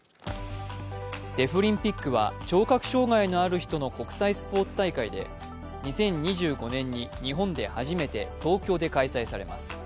デフリンピックは聴覚障害のある人の国際スポーツ大会で２０２５年に日本で初めて、東京で開催されます。